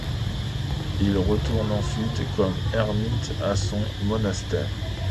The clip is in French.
Il retourne ensuite comme ermite à son monastère.